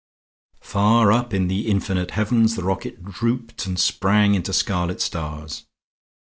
Far up in the infinite heavens the rocket drooped and sprang into scarlet stars.